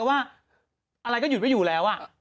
อะไรก็หยุดไว้อยู่แล้วอ่ะ